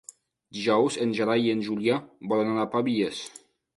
Dijous en Gerai i en Julià volen anar a Pavies.